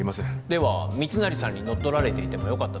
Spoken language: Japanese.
では密成さんに乗っ取られていてもよかったと？